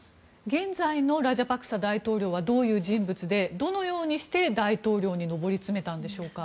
現在のラジャパクサ大統領はどういう人物でどのようにして大統領に上り詰めたんでしょうか。